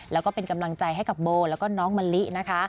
แล้วก็เป็นกำลังใจให้กับโบแล้วก็น้องมะลินะคะ